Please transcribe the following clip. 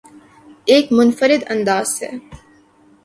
ایک منفرد انداز سے